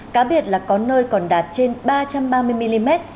cá biệt là có nơi còn đạt trên ba trăm ba mươi mm